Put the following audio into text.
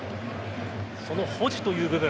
その保持という部分